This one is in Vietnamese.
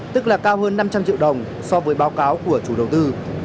tức là cao hơn năm trăm linh triệu đồng so với báo cáo của chủ đầu tư